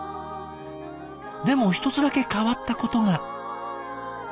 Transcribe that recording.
でも一つだけ変わったことが。